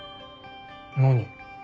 何？